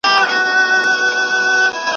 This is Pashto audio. د بوډۍ له ټاله ښکاري چی له رنګه سره جوړ دی